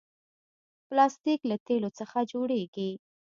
پلاستيک له تیلو څخه جوړېږي.